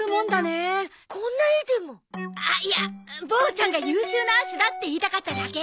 あっいやボーちゃんが優秀なアシだって言いたかっただけ！